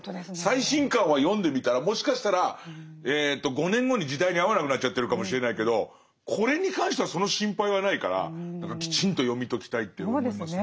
最新刊は読んでみたらもしかしたら５年後に時代に合わなくなっちゃってるかもしれないけどこれに関してはその心配はないからきちんと読み解きたいって思いますね。